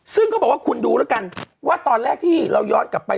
ซึ่งเขาบอกว่าคุณดูแล้วกันว่าตอนแรกที่เราย้อนกลับไป